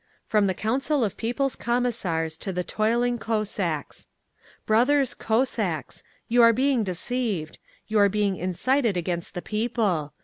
FROM THE COUNCIL OF PEOPLE's COMMISSARS TO THE TOILING COSSACKS "Brothers Cossacks. "You are being deceived. You are being incited against the People.